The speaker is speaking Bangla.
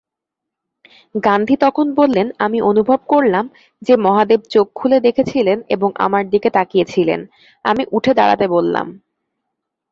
গান্ধী তখন বললেন, আমি অনুভব করলাম যে মহাদেব চোখ খুলে দেখেছিলেন এবং আমার দিকে তাকিয়ে ছিলেন, আমি উঠে দাঁড়াতে বললাম।